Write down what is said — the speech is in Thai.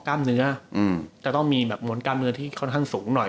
กล้ามเนื้อจะต้องมีแบบม้นกล้ามเนื้อที่ค่อนข้างสูงหน่อย